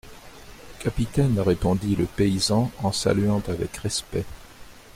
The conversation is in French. Capitaine ! répondit le paysan en saluant avec respect.